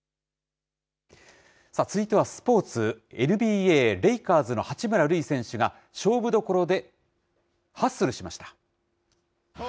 続いてはスポーツ、ＮＢＡ・レイカーズの八村塁選手が、勝負どころでハッスルしました。